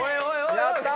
やった！